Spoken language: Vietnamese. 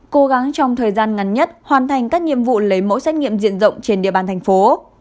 cố gắng trong thời gian ngắn nhất hoàn thành các nhiệm vụ lấy mẫu xét nghiệm diện rộng trên địa bàn thành phố